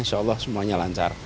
insya allah semuanya lancar